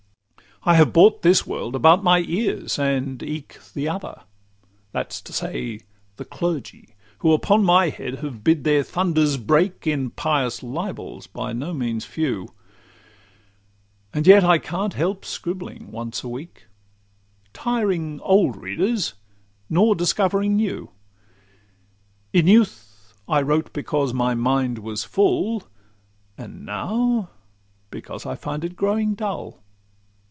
I have brought this world about my ears, and eke The other; that 's to say, the clergy, who Upon my head have bid their thunders break In pious libels by no means a few. And yet I can't help scribbling once a week, Tiring old readers, nor discovering new. In youth I wrote because my mind was full, And now because I feel it growing dull.